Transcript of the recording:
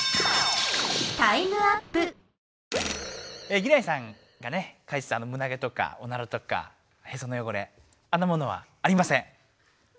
ギュナイさんがねかいてたあのむなげとかおならとかへそのよごれあんなものはありません！